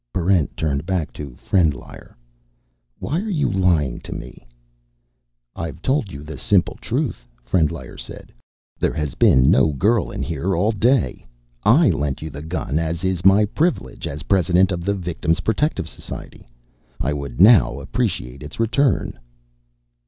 Barrent turned back to Frendlyer. "Why are you lying to me?" "I've told you the simple truth," Frendlyer said. "There has been no girl in here all day. I lent you the gun, as is my privilege as President of the Victim's Protective Society. I would now appreciate its return."